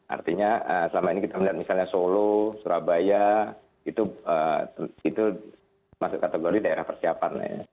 artinya selama ini kita melihat misalnya solo surabaya itu masuk kategori daerah persiapan